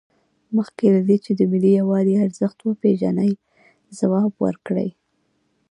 مخکې له دې چې د ملي یووالي ارزښت وپیژنئ ځواب ورکړئ.